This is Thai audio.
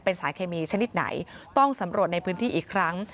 สารเคมีชนิดไหนต้องสำรวจในพื้นที่อีกครั้ง